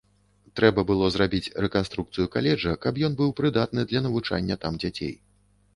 Трэба было зрабіць рэканструкцыю каледжа, каб ён быў прыдатны для навучання там дзяцей.